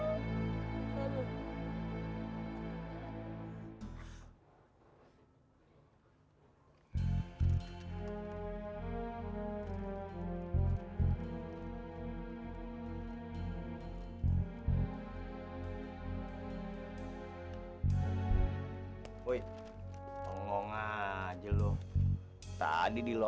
aduh kau mau mau ngomong atau ngokum lu